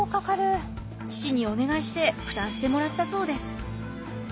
父にお願いして負担してもらったそうです。